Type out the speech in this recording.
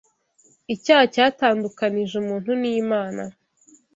Icyaha cyatandukanije umuntu n’Imana